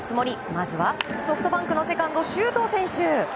まずは、ソフトバンクのセカンド周東選手！